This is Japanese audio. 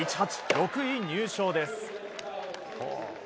６位入賞です。